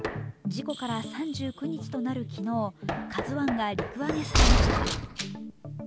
事故から３９日となる昨日、「ＫＡＺＵⅠ」が陸揚げされました。